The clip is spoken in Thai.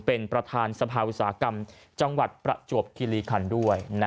เป็นประธานสภาอุตสาหกรรมจังหวัดประจวบคิริคันด้วย